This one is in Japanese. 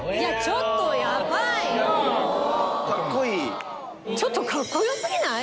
ちょっとかっこよすぎない？